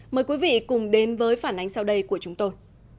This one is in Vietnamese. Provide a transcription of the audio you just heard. mời quý vị cùng đến với phản ánh sau đây của chúng tôi